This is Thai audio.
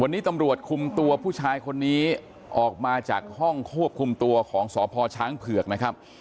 วันนี้ตำรวจคุมตัวผู้ชายคนนี้ออกมาจากห้องควบคุมตัวของสพช้างเผือกนะครับ